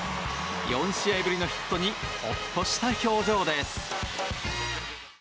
４試合ぶりのヒットにほっとした表情です。